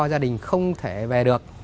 gia đình không thể về được